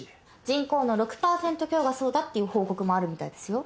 人口の６％強はそうだっていう報告もあるみたいですよ。